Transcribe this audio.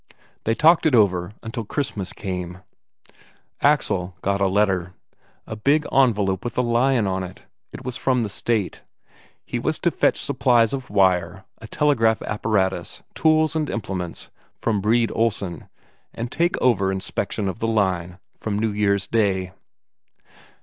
They talked it over until Christmas came.... Axel had got a letter, a big envelope with a lion on it; it was from the State. He was to fetch supplies of wire, a telegraph apparatus, tools and implements, from Brede Olsen, and take over inspection of the line from New Year's Day.